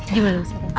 gimana bu sara